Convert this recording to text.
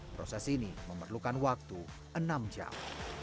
proses ini memerlukan waktu enam jam